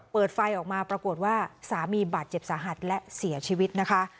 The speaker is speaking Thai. เปิดไฟออกมาปรากฏว่าสามีบาดเจ็บสาหัสและเสียชีวิตนะคะ